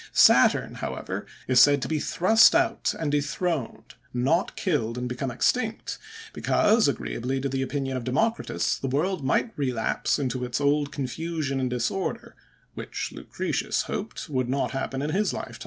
Saturn, however, is said to be thrust out and dethroned, not killed, and become extinct; because, agreeably to the opinion of Democritus, the world might relapse into its old confusion and disorder, which Lucretius hoped would not happen in his time.